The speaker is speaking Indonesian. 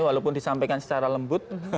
walaupun disampaikan secara lembut